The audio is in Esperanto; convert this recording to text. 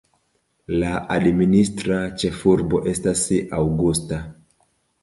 La administra ĉefurbo estas Augusta.